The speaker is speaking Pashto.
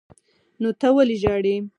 نو ته ولې ژاړې.